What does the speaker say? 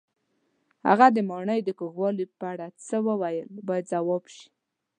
هغه د ماڼۍ د کوږوالي په اړه څه وویل باید ځواب شي.